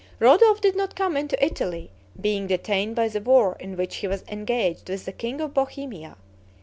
Rodolph did not come into Italy, being detained by the war in which he was engaged with the king of Bohemia.